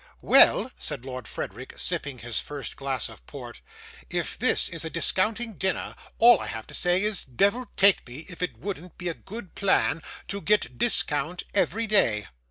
'Well,' said Lord Frederick, sipping his first glass of port, 'if this is a discounting dinner, all I have to say is, deyvle take me, if it wouldn't be a good pla an to get discount every day.